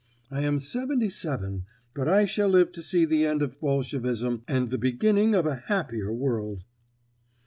I am seventy seven, but I shall live to see the end of Bolshevism and the beginning of a happier world."